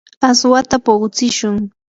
aswata puqutsishun.